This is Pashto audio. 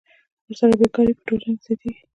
ورسره بېکاري په ټولنه کې زیاتېږي